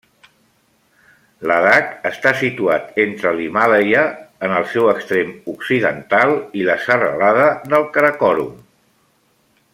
Ladakh està situat entre l'Himàlaia, en el seu extrem occidental, i la serralada del Karakoram.